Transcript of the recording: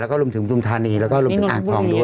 แล้วก็รวมถึงปฐุมธานีแล้วก็รวมถึงอ่างทองด้วย